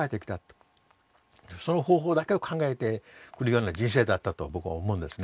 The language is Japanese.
その方法だけを考えてくるような人生だったと僕は思うんですね。